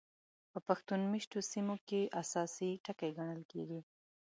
په پښتون مېشتو سیمو کې اساسي ټکي ګڼل کېږي.